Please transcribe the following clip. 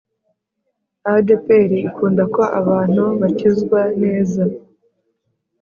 adeperi ikunda ko abantu bakizwa neza